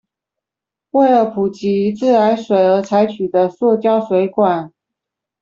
為了普及自來水而採用的塑膠水管